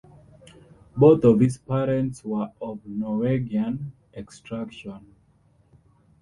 Both of his parents were of Norwegian extraction.